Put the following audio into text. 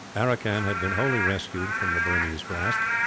Aracan had been wholly rescued from their grasp.